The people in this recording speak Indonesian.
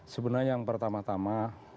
sebenarnya yang pertama tama